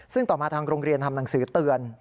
ซึ่งต่อมาทางโรงเรียนทำหนังสือเตือน